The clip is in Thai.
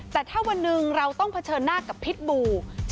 แต่ถ้าวันหนึ่งเราต้องเผชิญหน้ากับพิษบู